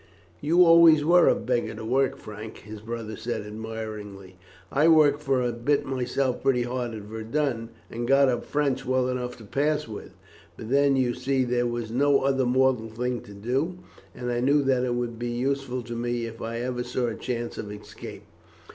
"You always were a beggar to work, Frank," his brother said admiringly. "I worked for a bit myself pretty hard at Verdun, and got up French well enough to pass with, but then you see there was no other mortal thing to do, and I knew that it would be useful to me if ever I saw a chance of escape.